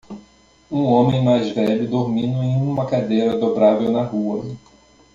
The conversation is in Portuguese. Um homem mais velho dormindo em uma cadeira dobrável na rua.